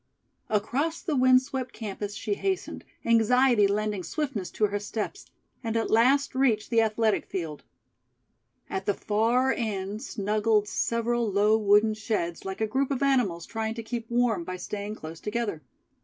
Across the wind swept campus she hastened, anxiety lending swiftness to her steps, and at last reached the Athletic Field. At the far end snuggled several low wooden sheds like a group of animals trying to keep warm by staying close together.